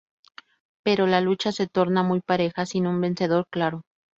Pero la lucha se torna muy pareja, sin un vencedor claro.